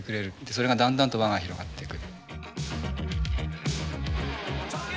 それがだんだんと輪が広がっていく。